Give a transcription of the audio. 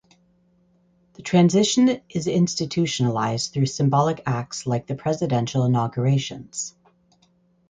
The transition is institutionalized through symbolic acts like the presidential inaugurations.